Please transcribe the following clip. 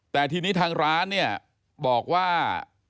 แต่ทีนี้ทางร้านเนี่ยบอกว่า